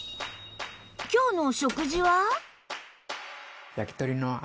今日の食事は？